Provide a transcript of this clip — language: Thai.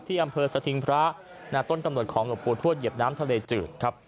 ที่อำเภอสะทิงพระณต้นกำหนดของบุตรทวดเหยียบน้ำทะเลจืดครับ